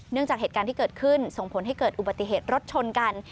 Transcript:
จากเหตุการณ์ที่เกิดขึ้นส่งผลให้เกิดอุบัติเหตุรถชนกัน